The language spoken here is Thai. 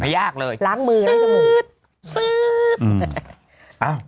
ไม่ยากเลยล้างมือให้จมูกซื๊ดซื๊ด